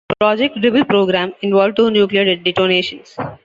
The Project Dribble program involved two nuclear detonations.